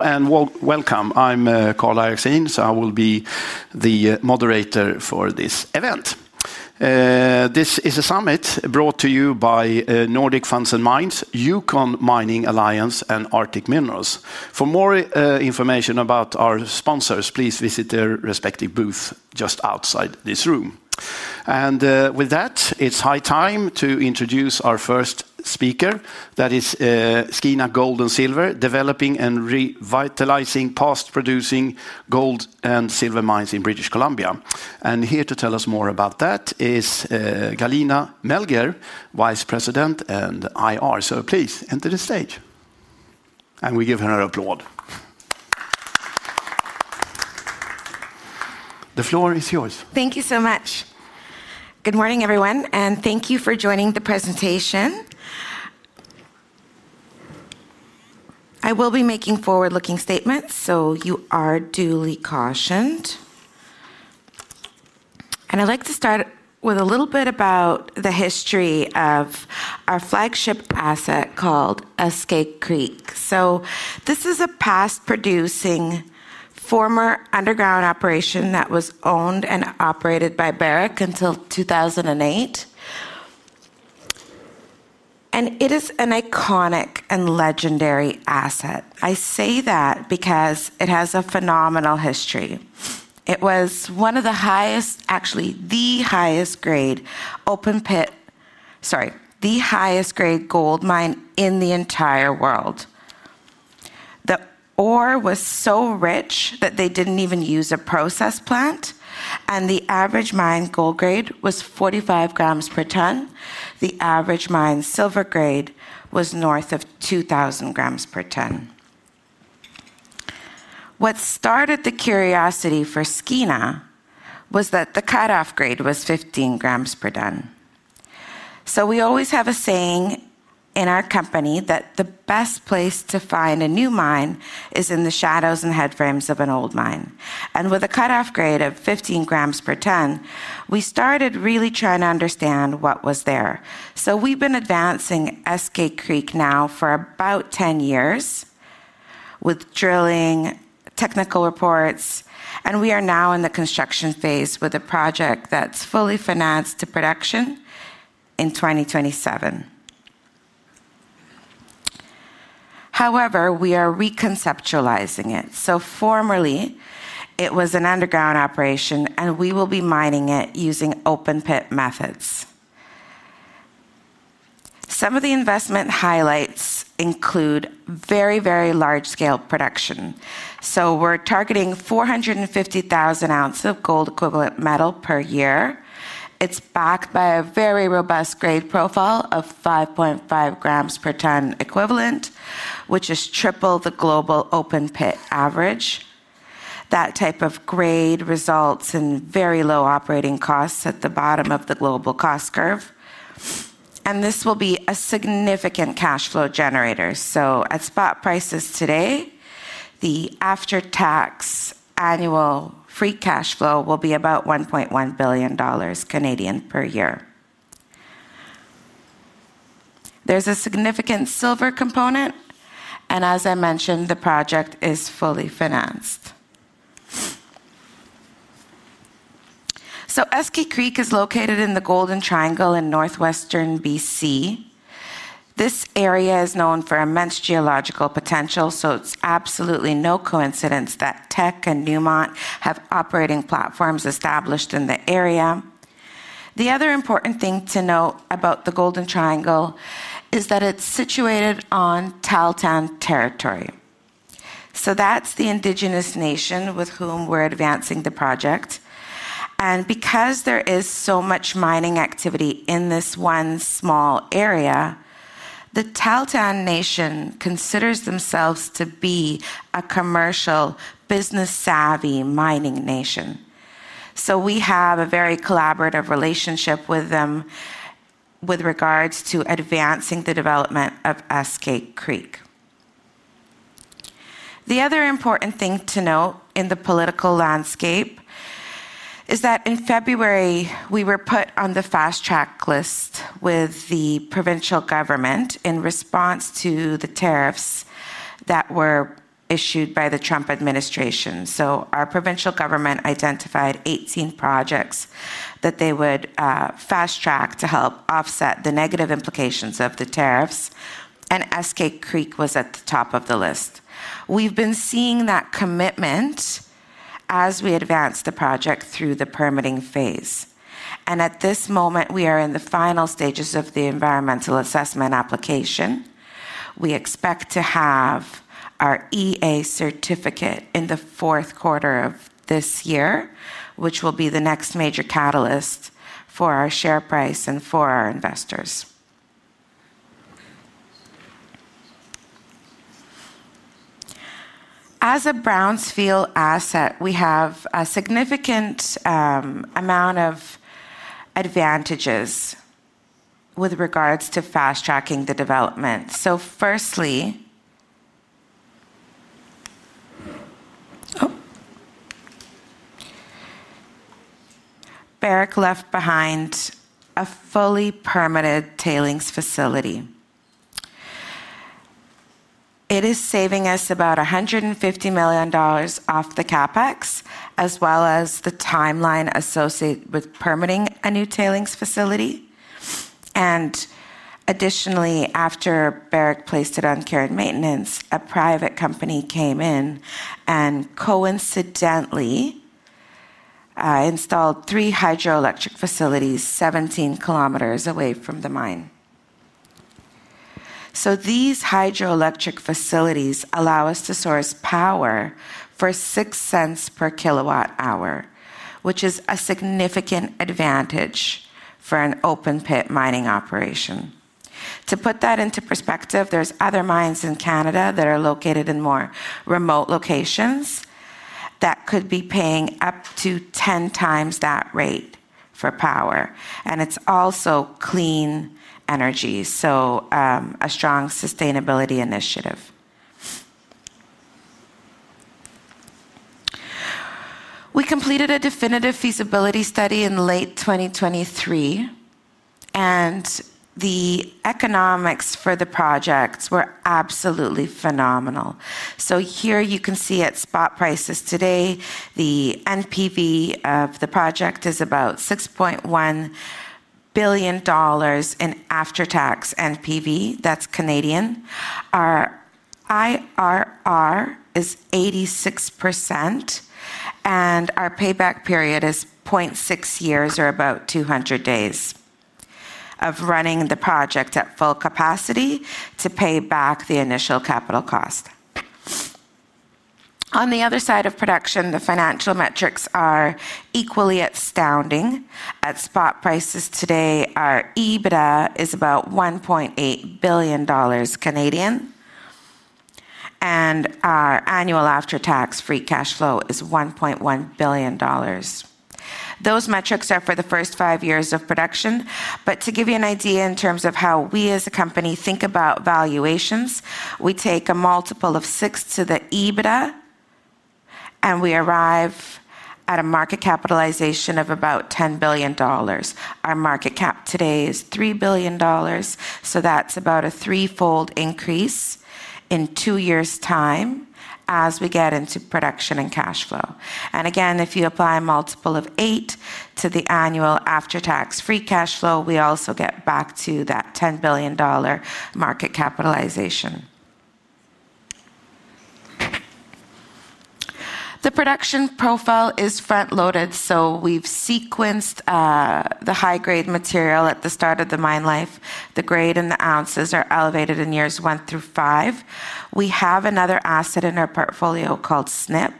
Welcome. I'm Karl Eriksen. I will be the moderator for this event. This is a summit brought to you by Nordic Funds and Mines, Yukon Mining Alliance, and Arctic Minerals. For more information about our sponsors, please visit their respective booths just outside this room. It is high time to introduce our first speaker. That is Skeena Gold + Silver, developing and revitalizing past producing gold and silver mines in British Columbia. Here to tell us more about that is Galina Meleger, Vice President and IR. Please enter the stage. We give her an applause. The floor is yours. Thank you so much. Good morning, everyone, and thank you for joining the presentation. I will be making forward-looking statements, so you are duly cautioned. I'd like to start with a little bit about the history of our flagship asset called Eskay Creek. This is a past producing former underground operation that was owned and operated by Barrick Gold Corporation until 2008. It is an iconic and legendary asset. I say that because it has a phenomenal history. It was one of the highest, actually the highest grade open-pit, sorry, the highest grade gold mine in the entire world. The ore was so rich that they didn't even use a process plant. The average mine gold grade was 45 g per ton. The average mine silver grade was north of 2,000 g per ton. What started the curiosity for Skeena was that the cut-off grade was 15 g per ton. We always have a saying in our company that the best place to find a new mine is in the shadows and head frames of an old mine. With a cut-off grade of 15 g per ton, we started really trying to understand what was there. We've been advancing Eskay Creek now for about 10 years with drilling, technical reports, and we are now in the construction phase with a project that's fully financed to production in 2027. However, we are reconceptualizing it. Formerly, it was an underground operation, and we will be mining it using open-pit methods. Some of the investment highlights include very, very large scale production. We're targeting 450,000 oz of gold-equivalent metal per year. It's backed by a very robust grade profile of 5.5 g per ton equivalent, which is triple the global open-pit average. That type of grade results in very low operating costs at the bottom of the global cost curve. This will be a significant cash flow generator. At spot prices today, the after-tax annual free cash flow will be about CND 1.1 billion per year. There's a significant silver component. As I mentioned, the project is fully financed. Eskay Creek is located in the Golden Triangle in northwestern British Columbia. This area is known for immense geological potential, so it's absolutely no coincidence that Teck and Newmont have operating platforms established in the area. The other important thing to note about the Golden Triangle is that it's situated on Tahltan Nation territory. That's the Indigenous Nation with whom we're advancing the project. Because there is so much mining activity in this one small area, the Tahltan Nation considers themselves to be a commercial, business-savvy mining nation. We have a very collaborative relationship with them with regards to advancing the development of Eskay Creek. The other important thing to note in the political landscape is that in February, we were put on the fast track list with the provincial government in response to the tariffs that were issued by the Trump administration. Our provincial government identified 18 projects that they would fast track to help offset the negative implications of the tariffs, and Eskay Creek was at the top of the list. We've been seeing that commitment as we advance the project through the permitting phase. At this moment, we are in the final stages of the environmental assessment application. We expect to have our environmental assessment certificate in the fourth quarter of this year, which will be the next major catalyst for our share price and for our investors. As a brownfield asset, we have a significant amount of advantages with regards to fast tracking the development. Firstly, Barrick left behind a fully permitted tailings facility. It is saving us about CND 150 million off the CapEx, as well as the timeline associated with permitting a new tailings facility. Additionally, after Barrick placed it on care and maintenance, a private company came in and coincidentally installed three hydroelectric facilities 17 km away from the mine. These hydroelectric facilities allow us to source power for CND 0.06 per kW hour, which is a significant advantage for an open-pit mining operation. To put that into perspective, there are other mines in Canada that are located in more remote locations that could be paying up to 10x that rate for power. It is also clean energy, so a strong sustainability initiative. We completed a definitive feasibility study in late 2023, and the economics for the projects were absolutely phenomenal. Here you can see at spot prices today, the NPV of the project is about CND 6.1 billion in after-tax NPV. That's Canadian. Our IRR is 86%, and our payback period is 0.6 years, or about 200 days, of running the project at full capacity to pay back the initial capital cost. On the other side of production, the financial metrics are equally astounding. At spot prices today, our EBITDA is about CND 1.8 billion, and our annual after-tax free cash flow is CND 1.1 billion. Those metrics are for the first five years of production. To give you an idea in terms of how we as a company think about valuations, we take a multiple of six to the EBITDA, and we arrive at a market capitalization of about CND 10 billion. Our market cap today is CND 3 billion, so that's about a threefold increase in two years' time as we get into production and cash flow. If you apply a multiple of eight to the annual after-tax free cash flow, we also get back to that CND 10 billion market capitalization. The production profile is front-loaded, so we've sequenced the high-grade material at the start of the mine life. The grade and the ounces are elevated in years one through five. We have another asset in our portfolio called Snip.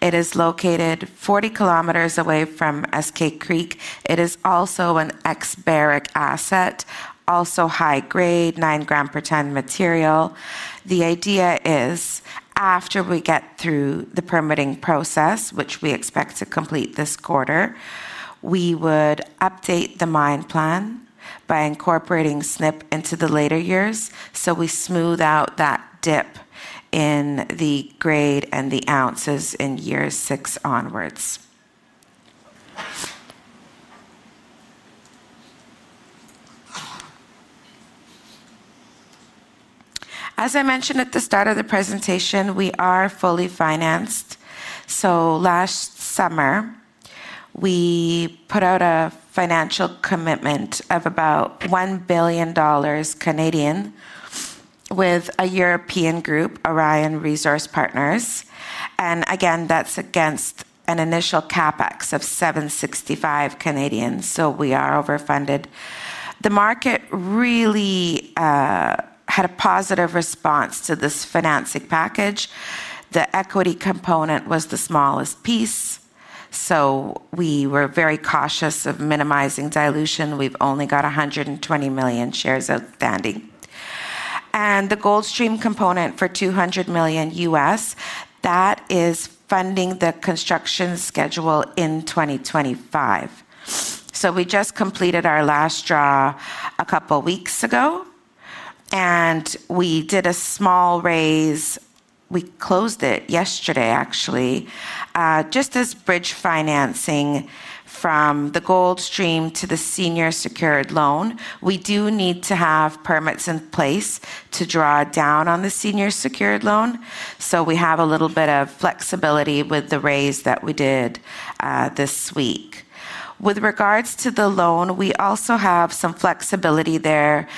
It is located 40 km away from Eskay Creek. It is also an ex-Barrick asset, also high-grade, nine gram per ton material. The idea is after we get through the permitting process, which we expect to complete this quarter, we would update the mine plan by incorporating Snip into the later years, so we smooth out that dip in the grade and the ounces in year six onwards. As I mentioned at the start of the presentation, we are fully financed. Last summer, we put out a financial commitment of about CND 1 billion Canadian with a European group, Orion Resource Partners. That's against an initial CapEx of CND 765 million Canadian, so we are overfunded. The market really had a positive response to this financing package. The equity component was the smallest piece, so we were very cautious of minimizing dilution. We've only got 120 million shares outstanding. The Goldstream component for $200 million. is funding the construction schedule in 2025. We just completed our last draw a couple of weeks ago, and we did a small raise. We closed it yesterday, actually, just as bridge financing from the Goldstream to the senior secured loan. We do need to have permits in place to draw down on the senior secured loan, so we have a little bit of flexibility with the raise that we did this week. With regards to the loan, we also have some flexibility there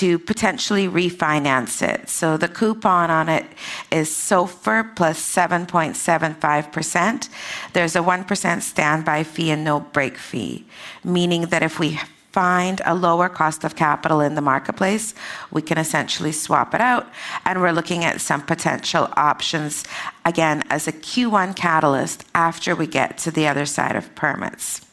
to potentially refinance it. The coupon on it is SOFR +7.75%. There's a 1% standby fee and no break fee, meaning that if we find a lower cost of capital in the marketplace, we can essentially swap it out. We're looking at some potential options again as a Q1 catalyst after we get to the other side of permits.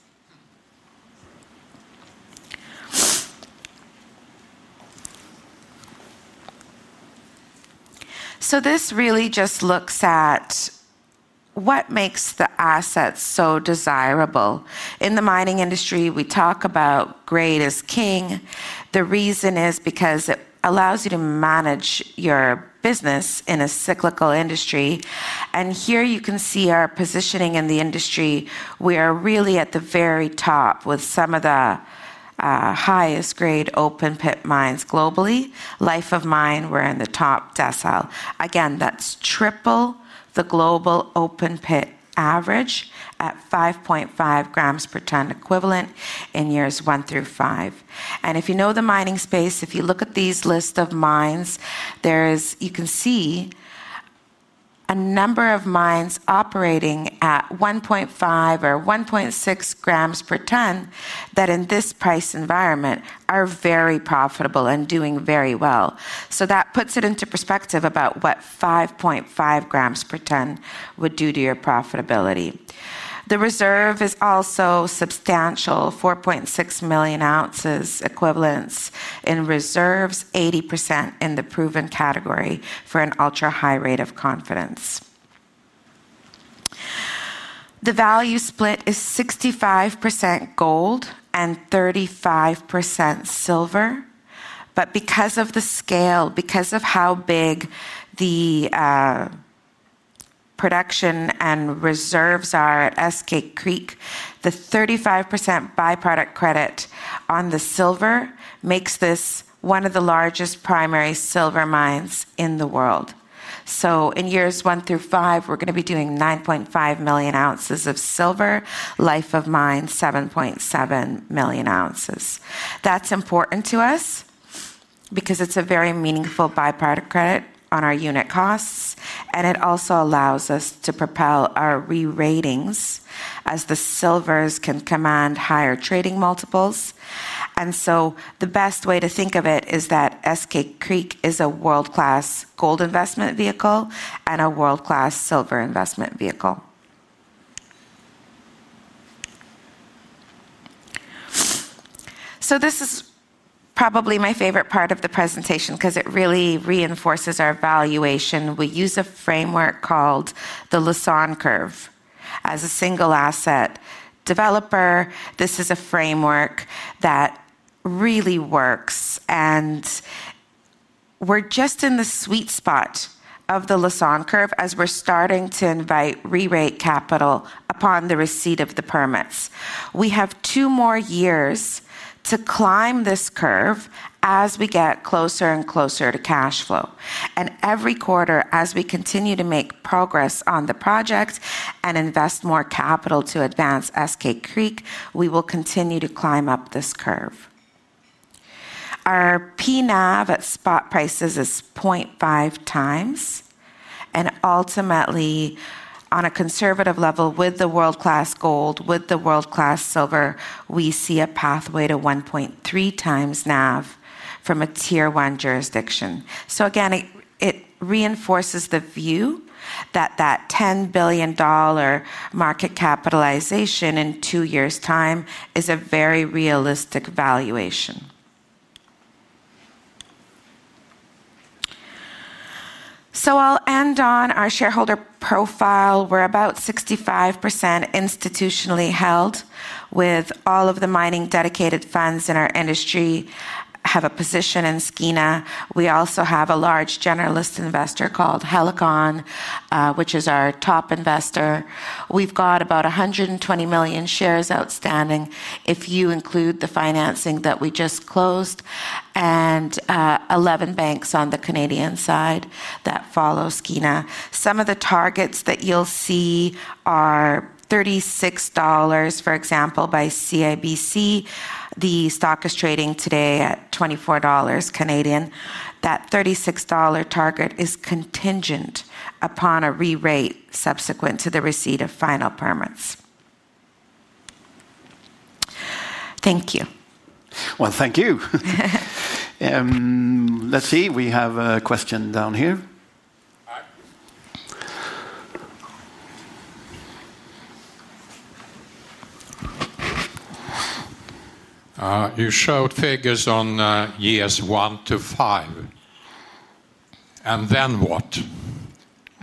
This really just looks at what makes the asset so desirable. In the mining industry, we talk about grade as king. The reason is because it allows you to manage your business in a cyclical industry. Here you can see our positioning in the industry. We are really at the very top with some of the highest grade open-pit mines globally. Life of mine, we're in the top decile. That's triple the global open-pit average at 5.5 g per ton equivalent in years one through five. If you know the mining space, if you look at these lists of mines, you can see a number of mines operating at 1.5 or 1.6 g per ton that in this price environment are very profitable and doing very well. That puts it into perspective about what 5.5 g per ton would do to your profitability. The reserve is also substantial, 4.6 million oz equivalent in reserves, 80% in the proven category for an ultra-high rate of confidence. The value split is 65% gold and 35% silver. Because of the scale, because of how big the production and reserves are at Eskay Creek, the 35% byproduct credit on the silver makes this one of the largest primary silver mines in the world. In years one through five, we're going to be doing 9.5 million oz of silver, life of mine 7.7 million oz. That's important to us because it's a very meaningful byproduct credit on our unit costs, and it also allows us to propel our re-ratings as the silvers can command higher trading multiples. The best way to think of it is that Eskay Creek is a world-class gold investment vehicle and a world-class silver investment vehicle. This is probably my favorite part of the presentation because it really reinforces our valuation. We use a framework called the Lassonde curve as a single asset developer. This is a framework that really works, and we're just in the sweet spot of the Lassonde curve as we're starting to invite re-rate capital upon the receipt of the permits. We have two more years to climb this curve as we get closer and closer to cash flow. Every quarter, as we continue to make progress on the project and invest more capital to advance Eskay Creek, we will continue to climb up this curve. Our PNAV at spot prices is 0.5x. Ultimately, on a conservative level, with the world-class gold, with the world-class silver, we see a pathway to 1.3x NAV from a tier one jurisdiction. It reinforces the view that that CND 10 billion market capitalization in two years' time is a very realistic valuation. I'll end on our shareholder profile. We're about 65% institutionally held with all of the mining dedicated funds in our industry. I have a position in Skeena. We also have a large generalist investor called Helicon, which is our top investor. We've got about 120 million shares outstanding if you include the financing that we just closed and 11 banks on the Canadian side that follow Skeena. Some of the targets that you'll see are CND 36, for example, by CIBC. The stock is trading today at CND 24. That CND 36 target is contingent upon a re-rate subsequent to the receipt of final permits. Thank you. Thank you. Let's see, we have a question down here. You showed figures on years one to five. What is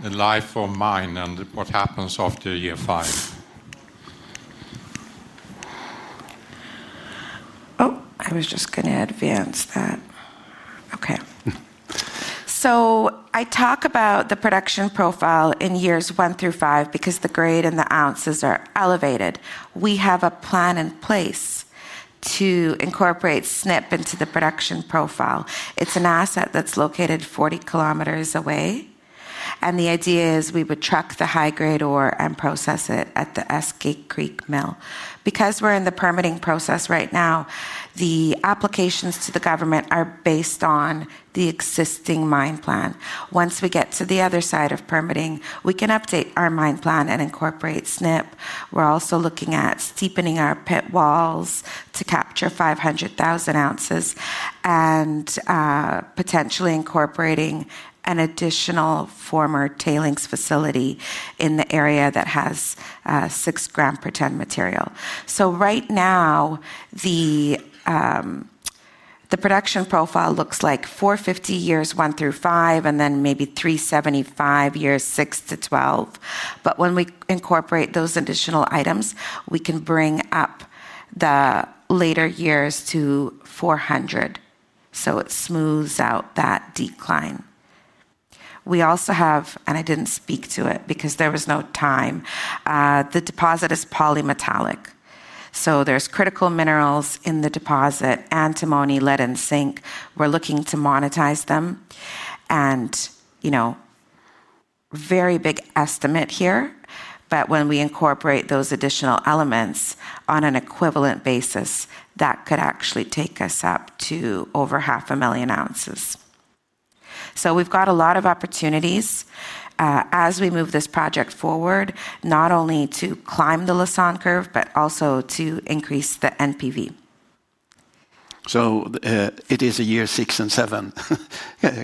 the life of mine and what happens after year five? I was just going to advance that. Okay. I talk about the production profile in years one through five because the grade and the ounces are elevated. We have a plan in place to incorporate Snip into the production profile. It's an asset that's located 40 km away. The idea is we would truck the high-grade ore and process it at the Eskay Creek mill. Because we're in the permitting process right now, the applications to the government are based on the existing mine plan. Once we get to the other side of permitting, we can update our mine plan and incorporate Snip. We're also looking at steepening our pit walls to capture 500,000 oz and potentially incorporating an additional former tailings facility in the area that has six g per ton material. Right now, the production profile looks like 450 years one through five and then maybe 375 years six to 12. When we incorporate those additional items, we can bring up the later years to 400. It smooths out that decline. We also have, and I didn't speak to it because there was no time, the deposit is polymetallic. There are critical minerals in the deposit: antimony, lead, and zinc. We're looking to monetize them. Very big estimate here, but when we incorporate those additional elements on an equivalent basis, that could actually take us up to over half a million ounces. We've got a lot of opportunities as we move this project forward, not only to climb the Lassonde curve, but also to increase the NPV. It is a year six and seven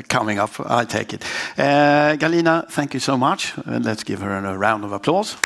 coming up, I take it. Galina, thank you so much. Let's give her a round of applause.